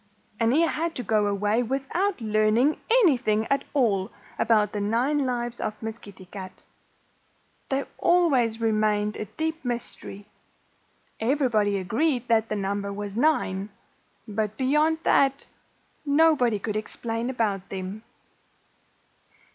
And he had to go away without learning anything at all about the nine lives of Miss Kitty Cat. They always remained a deep mystery. Everybody agreed that the number was nine. But beyond that, nobody could explain about them.